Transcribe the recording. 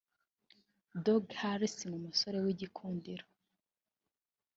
Doug Harris ( ukinwa na Josh Gad) ni umusore w’igikundiro